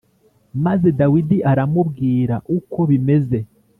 Maze Dawidi aramubwira uko bimeze